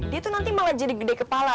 dia tuh nanti malah jadi gede kepala